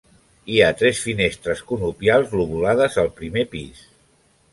Hi ha tres finestres conopials lobulades al primer pis.